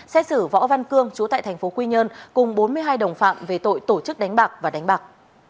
xét xử võ văn cương chú tại thành phố quy nhơn cùng bốn mươi hai đồng phạm về tội tổ chức đánh bạc và đánh bạc